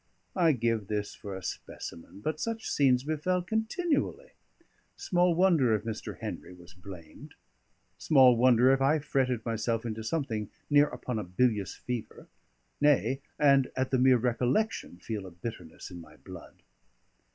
I give this for a specimen; but such scenes befell continually. Small wonder if Mr. Henry was blamed; small wonder if I fretted myself into something near upon a bilious fever; nay, and at the mere recollection feel a bitterness in my blood.